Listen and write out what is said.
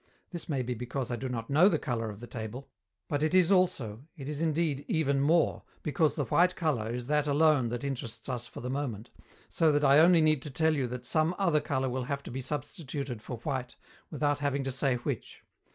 This may be because I do not know the color of the table; but it is also, it is indeed even more, because the white color is that alone that interests us for the moment, so that I only need to tell you that some other color will have to be substituted for white, without having to say which.